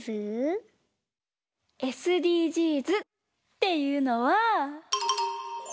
ＳＤＧｓっていうのは。